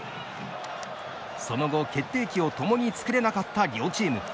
その後、決定機をともに作れなかった両チーム。